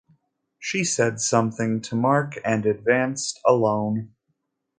She said something to Mark and advanced alone.